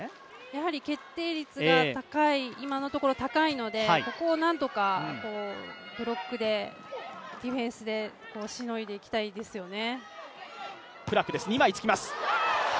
やはり決定率が今のところ高いのでここをなんとか、ブロックでディフェンスでしのいでいきたいですよね。